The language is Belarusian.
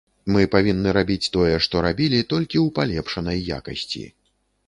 Мы павінны рабіць тое, што рабілі, толькі ў палепшанай якасці.